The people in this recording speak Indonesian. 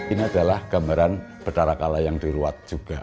ini adalah gambaran berdarah kala yang diruat juga